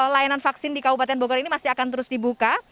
layanan vaksin di kabupaten bogor ini masih akan terus dibuka